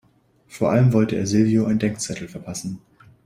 Vor allem wollte er Silvio einen Denkzettel verpassen.